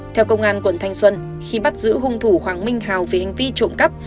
theo công an quận thanh xuân khi bắt giữ hung thủ hoàng minh hào về hành vi trộm cắp